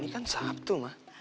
kan sabtu ma